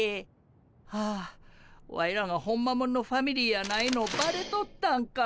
はあワイらがホンマもんのファミリーやないのバレとったんか。